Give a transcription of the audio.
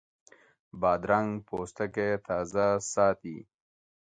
بادرنګ د پوستکي تازه ساتي.